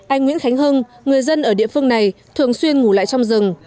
anh nguyễn khánh hưng người dân ở địa phương này thường xuyên ngủ lại trong rừng